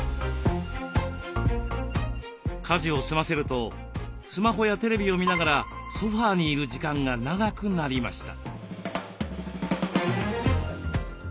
家事を済ませるとスマホやテレビを見ながらソファーにいる時間が長くなりました。